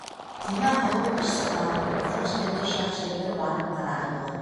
Кенә ҡыуып эш сыҡмаҫ, үткән эштән төш яҡшы, бер барып ҡара, Айбулат.